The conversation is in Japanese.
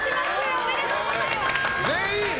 おめでとうございます。